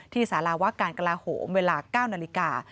สารวะการกลาโหมเวลา๙นาฬิกา